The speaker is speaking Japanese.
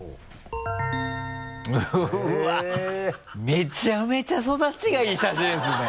めちゃめちゃ育ちがいい写真ですね。